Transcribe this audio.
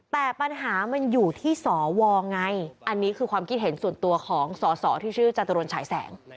แต่ปัญหามันอยู่ที่สวไงอันนี้คือความคิดเห็นส่วนตัวของสอสอที่ชื่อจตุรนฉายแสง